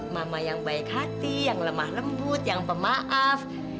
mama yang baik hati yang lemah lembut yang pemaaf